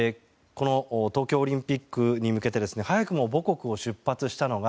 東京オリンピックに向けて早くも母国を出発したのが